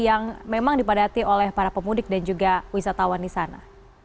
yang memang dipadati oleh para pemudik dan juga wisatawan di sana